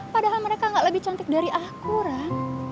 padahal mereka gak lebih cantik dari aku kan